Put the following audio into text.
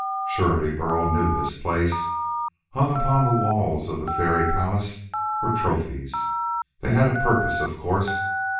Surely Burl knew this place. Hung upon the walls of the fairy palace were trophies. They had a purpose, of course.